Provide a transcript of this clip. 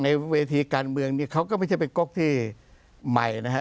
ในเวทีการเมืองนี้เขาก็ไม่ใช่เป็นก๊กที่ใหม่นะฮะ